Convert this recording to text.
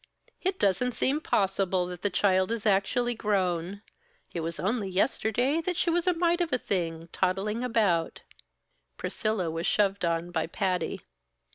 It doesn't seem possible that the child is actually grown. It was only yesterday that she was a mite of a thing toddling about " Priscilla was shoved on by Patty.